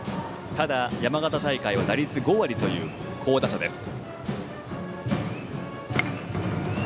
ただ、山形大会は打率５割という好打者です。